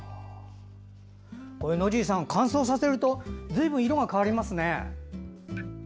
野尻さん、乾燥させるとずいぶん色が変わりますね。